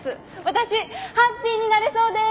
私ハッピーになれそうでーす！